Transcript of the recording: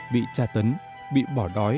bị tra tấn bị bỏ đói